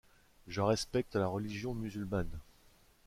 Je respecte la religion musulmane.